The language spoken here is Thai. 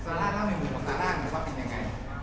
ซาร่าเล่าให้มีของซาร่ามีความเป็นยังไง